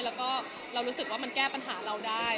แล้วก็เรารู้สึกว่ามันแก้ปัญหาเราได้